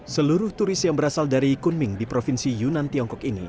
seluruh turis yang berasal dari kunming di provinsi yunan tiongkok ini